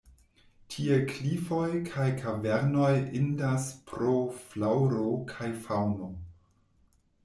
Tie klifoj kaj kavernoj indas pro flaŭro kaj faŭno.